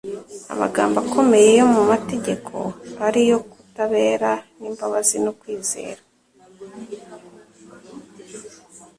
amagambo akomeye yo mu mategeko, ari yo kutabera n'imbabazi no kwizera."